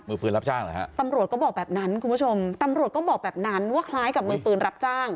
มือปืนรับจ้างเหรอฮะตำรวจก็บอกแบบนั้นคุณผู้ชมตำรวจก็บอกแบบนั้นว่าคล้ายกับมือปืนรับจ้าง